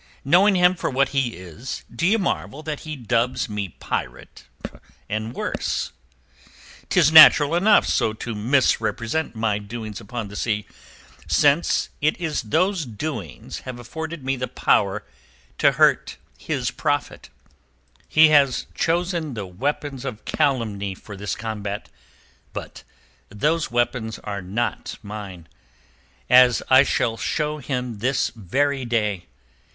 Knowing him for what he is, d'ye marvel that he dubs me pirate and worse? 'Tis natural enough so to misrepresent my doings upon the sea, since it is those doings have afforded me the power to hurt his profit. He has chosen the weapons of calumny for this combat, but those weapons are not mine, as I shall show him this very day.